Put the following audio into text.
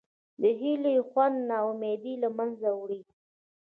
د هیلې خوند نا امیدي له منځه وړي.